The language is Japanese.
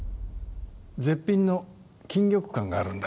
絶品の錦玉羹があるんだ。